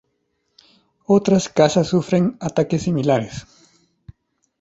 Otras casas sufren ataques similares.